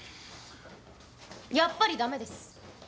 やっぱりだめです。